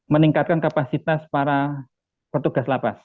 meningkatkan kapasitas para